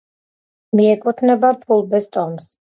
მიეკუთვნება ფულბეს ტომს.